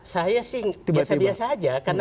saya sih biasa biasa aja